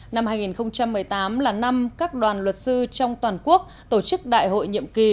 năm hai nghìn một mươi tám là năm các đoàn luật sư trong toàn quốc tổ chức đại hội nhiệm kỳ